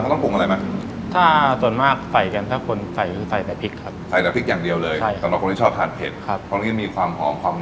เขาต้องปรุงอะไรมาถ้าส่วนมากใส่กันถ้าคนใส่คือใส่แต่พริกครับ